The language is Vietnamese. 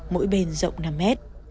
mỗi bên rộng năm m